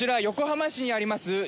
横浜市にあります